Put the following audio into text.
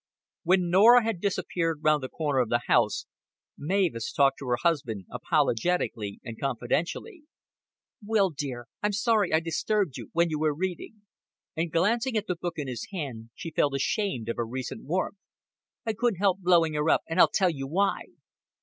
When Norah had disappeared round the corner of the house, Mavis talked to her husband apologetically and confidentially. "Will, dear, I'm sorry I disturbed you when you were reading;" and glancing at the book in his hand, she felt ashamed of her recent warmth. "I couldn't help blowing her up, and I'll tell you why."